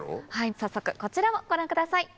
早速こちらをご覧ください。